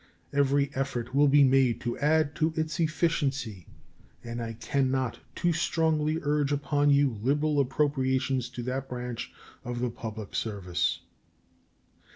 Every effort will be made to add to its efficiency, and I can not too strongly urge upon you liberal appropriations to that branch of the public service.